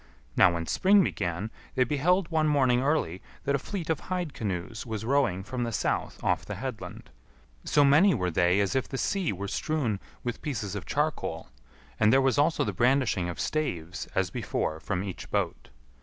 Now when spring began, they beheld one morning early, that a fleet of hide canoes was rowing from the south off the headland; so many were they as if the sea were strewn with pieces of charcoal, and there was also the brandishing of staves as before from each boat.